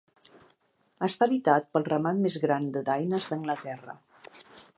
Està habitat pel ramat més gran de daines d'Anglaterra.